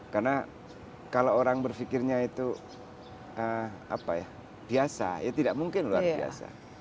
karena kalau orang berfikirnya itu biasa ya tidak mungkin luar biasa